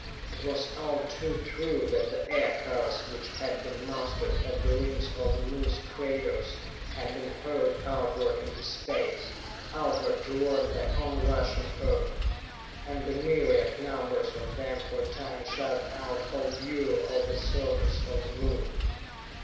It was all too true that the Aircars which had been mustered at the rims of the Moon's craters had been hurled outward into space, outward toward the on rushing Earth, and the myriad numbers of them for a time shut out all view of the surface of the Moon.